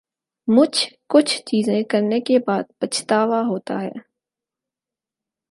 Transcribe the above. مچھ کچھ چیزیں کرنے کے بعد پچھتاوا ہوتا ہے